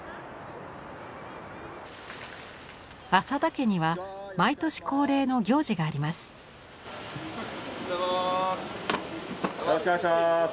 浅田家には毎年恒例の行事があります。